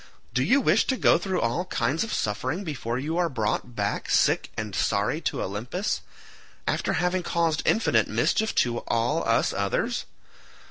Do you wish to go through all kinds of suffering before you are brought back sick and sorry to Olympus, after having caused infinite mischief to all us others?